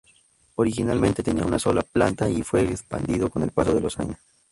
Originalmente tenía una sola planta y fue expandido con el paso de los años.